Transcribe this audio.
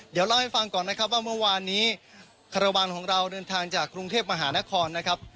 เดี๋ยวเล่าให้ฟังก่อนนะครับว่าเมื่อวานนี้คารวาลของเราเดินทางจากกรุงเทพมหานครนะครับ